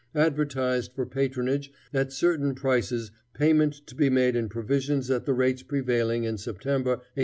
advertised for patronage at certain prices, payment to be made in provisions at the rates prevailing in September, 1860.